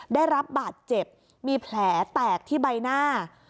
ได้รับบาดเจ็บมีแผลแตกที่ใบหน้า